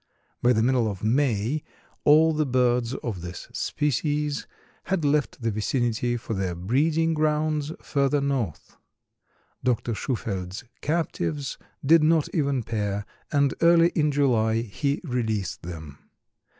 By the middle of May all the birds of this species had left the vicinity for their breeding grounds further north. Dr. Shufeldt's captives did not even pair and early in July he released them.